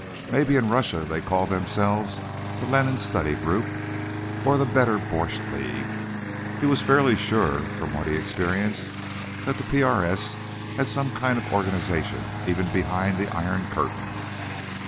Maybe in Russia they called themselves the Lenin Study Group, or the Better Borshcht League. He was fairly sure, from what he'd experienced, that the PRS had some kind of organization even behind the Iron Curtain.